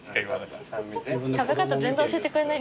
食べ方全然教えてくれない。